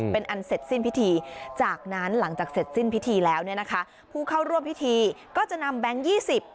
เป็นอันเสร็จสิ้นพิธีจากนั้นหลังจากเสร็จสิ้นพิธีแล้วเนี่ยนะคะผู้เข้าร่วมพิธีก็จะนำแบงค์ยี่สิบ